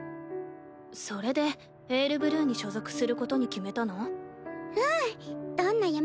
それで「ＡｉＲＢＬＵＥ」に所属することに決めたの？